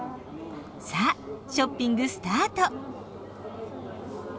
さあショッピングスタート！